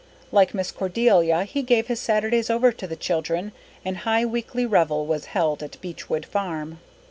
Like Miss Cordelia, he gave his Saturdays over to the children, and high weekly revel was held at Beechwood Farm.